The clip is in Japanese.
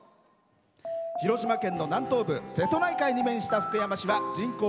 広島県の南東部瀬戸内海に面した福山市は人口